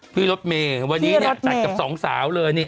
พี่รถเมย์วันนี้เนี่ยจัดกับสองสาวเลยนี่